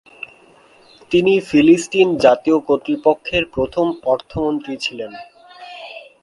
তিনি ফিলিস্তিন জাতীয় কর্তৃপক্ষের প্রথম অর্থমন্ত্রী ছিলেন।